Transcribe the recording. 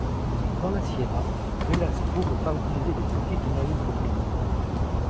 Dans la sierra, Velasco veut favoriser les petites et moyennes propriétés.